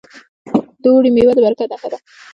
د اوړي میوې د برکت نښه ده.